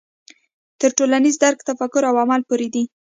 تر ټولنیز درک تفکر او عمل پورې دی.